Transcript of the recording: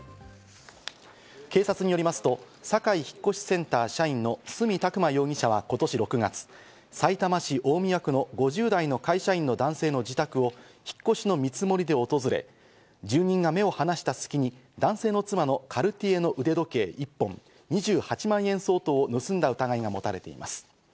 警察によりますと、サカイ引越センター社員の角拓磨容疑者は今年６月、さいたま市大宮区の５０代の会社員の男性の自宅を引っ越しの見積もりで訪れ、住人が目を離した隙に男性の妻のカルティエの腕時計１本２８万円相当を盗んだ疑いが持たれています。